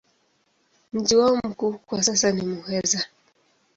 Mji wao mkuu kwa sasa ni Muheza.